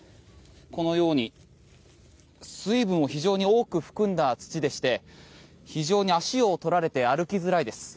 このように水分を非常に多く含んだ土でして非常に足を取られて歩きづらいです。